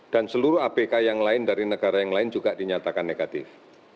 dan seluruh apk yang lain dari negara yang lain juga dinyatakan negatif